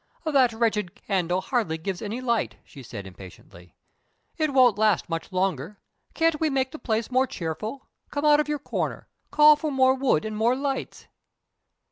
"That wretched candle hardly gives any light," she said, impatiently. "It won't last much longer. Can't we make the place more cheerful? Come out of your corner. Call for more wood and more lights."